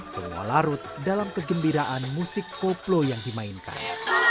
semua larut dalam kegembiraan musik koplo yang dimainkan